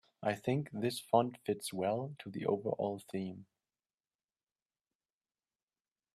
I think this font fits well to the overall theme.